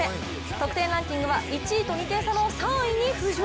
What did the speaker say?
得点ランキングは１位と２点差の３位に浮上。